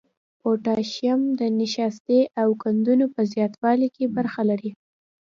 پوتاشیم د نشایستې او قندونو په زیاتوالي کې برخه لري.